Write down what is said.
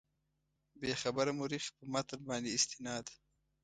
بېخبره مورخ په متن باندې استناد.